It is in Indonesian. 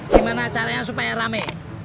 gimana caranya supaya rame